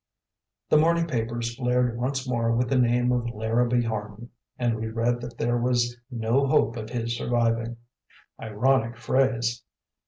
The morning papers flared once more with the name of Larrabee Harman, and we read that there was "no hope of his surviving." Ironic phrase!